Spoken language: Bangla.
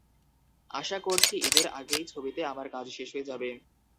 আশা করছি ঈদের আগেই ছবিতে আমার কাজ শেষ হয়ে যাবে।